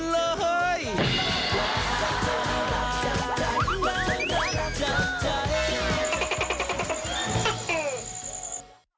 วิ่งหวานของหากันเลยนะ